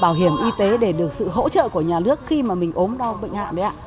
bảo hiểm y tế để được sự hỗ trợ của nhà nước khi mà mình ốm đau bệnh hạ đấy ạ